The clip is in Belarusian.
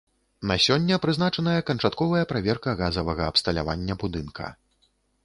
На сёння прызначаная канчатковая праверка газавага абсталявання будынка.